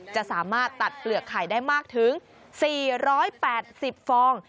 จะสามารถตัดเปลือกไข่ได้มากถึง๔๘๐ฟอง